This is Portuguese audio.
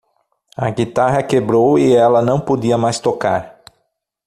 A guitarra quebrou e ela não podia mais tocar.